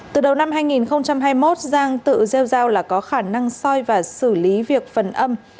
từ đầu năm hai nghìn hai mươi một giang tự gieo giao là có khả năng soi và xử lý việc phần âm